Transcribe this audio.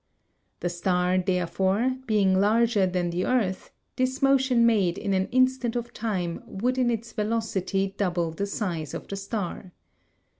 The star, therefore, being larger than the earth, this motion made in an instant of time would in its velocity double the size of the star.